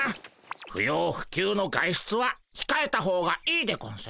不要不急の外出はひかえたほうがいいでゴンス。